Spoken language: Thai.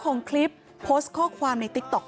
คุณผู้ชมค่ะคุณผู้ชมค่ะ